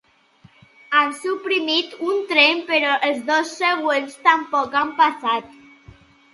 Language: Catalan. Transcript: Han suprimit un tren però els dos següents tampoc han passat